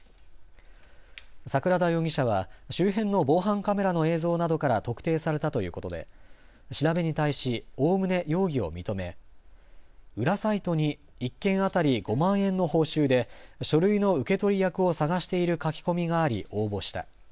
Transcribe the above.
櫻田容疑者は周辺の防犯カメラの映像などから特定されたということで調べに対しおおむね容疑を認め裏サイトに１件当たり５万円の報酬で書類の受け取り役を探している書き込みがあり応募した。